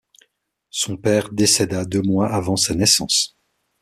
Son père décéda deux mois avant sa naissance.